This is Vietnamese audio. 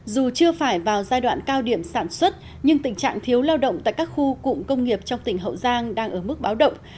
dù chưa phải vào giai đoạn cao điểm sản xuất nhưng tình trạng thiếu lao động tại các khu cụm công nghiệp trong tỉnh hậu giang đang ở mức báo động